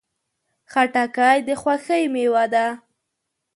خټکی د خوښۍ میوه ده.